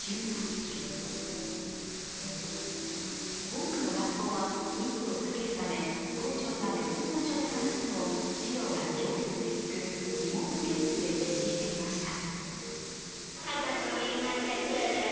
多くの学校は、密を避けるため校長が別の場所で話すのを児童が教室で聞くリモート形式で実施していました。